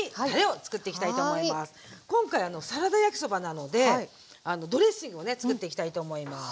今回サラダ焼きそばなのでドレッシングをねつくっていきたいと思います。